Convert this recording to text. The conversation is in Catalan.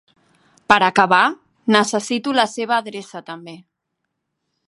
Per acabar, necessito la seva adreça també.